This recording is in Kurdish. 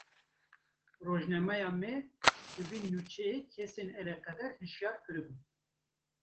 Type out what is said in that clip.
Rojnameya me, bi vê nûçeyê kesên eleqedar hişyar kiribûn